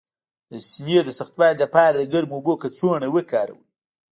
د سینې د سختوالي لپاره د ګرمو اوبو کڅوړه وکاروئ